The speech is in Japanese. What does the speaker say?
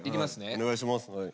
お願いします。